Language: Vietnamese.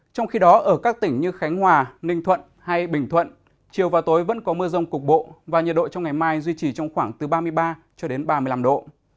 trong khi đó ở các tỉnh như khánh hòa ninh thuận hay bình thuận chiều và tối vẫn có mưa rông cục bộ và nhiệt độ trong ngày mai duy trì trong khoảng từ ba mươi ba cho đến ba mươi năm độ